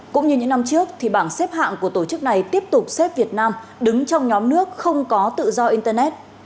cũng như những năm trước thì bảng xếp hạng của tổ chức này tiếp tục xếp việt nam đứng trong nhóm nước không có tự do internet